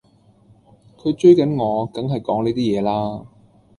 佢追緊我,緊係講呢啲嘢啦